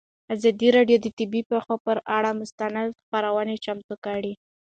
ازادي راډیو د طبیعي پېښې پر اړه مستند خپرونه چمتو کړې.